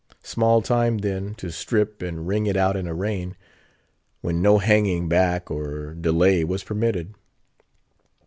Small time then, to strip, and wring it out in a rain, when no hanging back or delay was permitted.